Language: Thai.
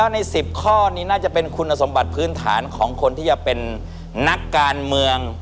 ใน๑๐ข้อนี้น่าจะเป็นคุณสมบัติพื้นฐานของคนที่จะเป็นนักการเมือง